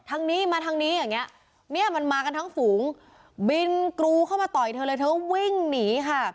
ทางนี้มาทางนี้อย่างเงี้ยเนี่ยมันมากันทั้งฝูงบินกรูเข้ามาต่อยเธอเลยเธอวิ่งหนีค่ะ